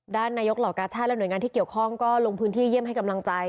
นายกเหล่ากาชาติและหน่วยงานที่เกี่ยวข้องก็ลงพื้นที่เยี่ยมให้กำลังใจ